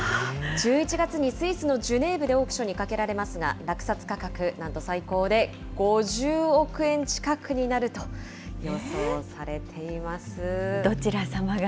１１月にスイスのジュネーブでオークションにかけられますが、落札価格、なんと最高で５０億円近くになると予想されています。